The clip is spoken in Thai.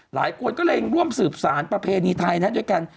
หลายคนก็เลยร่วมสืบสารประเพณีไทยนะด้วยกัน